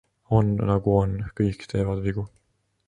On nagu on, kõik teevad vigu.